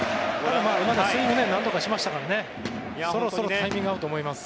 スイングを何とかしましたからそろそろタイミングが合うと思います。